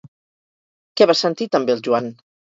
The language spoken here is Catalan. Què va sentir també el Joan?